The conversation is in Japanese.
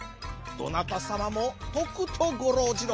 どなたさまもとくとごろうじろ。